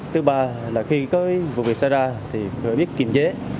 thứ ba là khi có vụ việc xảy ra thì biết kiềm chế